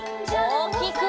おおきく！